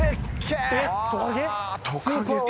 えっトカゲ？